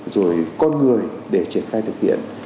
rồi con người để triển khai thực hiện